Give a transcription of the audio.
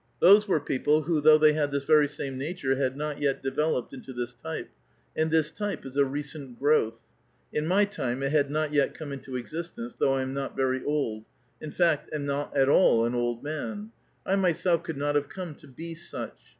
Those were j'>e<>ple who, though they had this very same nature, had not ^et developed into this type ; and this type is a recent ^[^owlh ; in my time it had not yet come into existence, though i am not very old ; in fact, am not at all an old man. I my i^elf could not have come to be such.